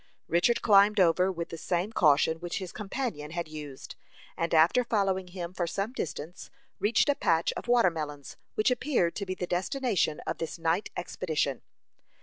Richard climbed over with the same caution which his companion had used, and after following him for some distance, reached a patch of watermelons, which appeared to be the destination of this night expedition.